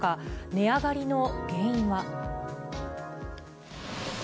値上がりの原因は。